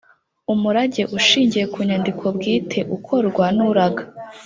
umurage ushingiye ku nyandiko bwite ukorwa n’uraga.